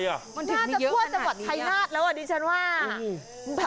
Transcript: มันน่าจะทั่วจังหวัดชายนาฏแล้วอ่ะดิฉันว่า